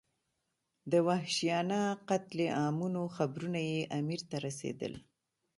د وحشیانه قتل عامونو خبرونه یې امیر ته رسېدل.